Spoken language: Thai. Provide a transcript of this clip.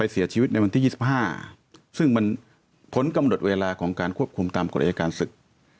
ซึ่งมันผลกำหนดเวลาของการควบคุมตามกรุยการศึกษ์